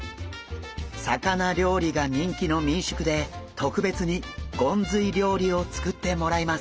魚料理が人気の民宿で特別にゴンズイ料理を作ってもらいます。